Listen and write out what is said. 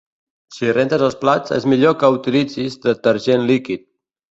Si rentes els plats, és millor que utilitzis detergent líquid .